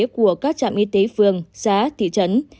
của các trạm y tế phường xã thị trấn